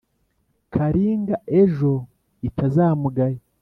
karinga ejo itazamugaya